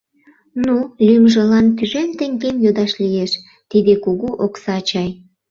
Ну, лӱмжылан тӱжем теҥгем йодаш лиеш, тиде кугу окса чай.